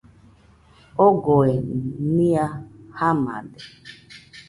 Ogoe nɨa jamade